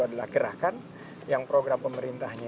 adalah gerakan yang program pemerintahnya